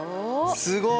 すごい！